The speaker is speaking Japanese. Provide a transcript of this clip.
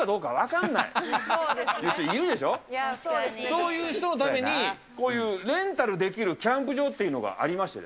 そういう人のために、こういうレンタルできるキャンプ場っていうのがありまして。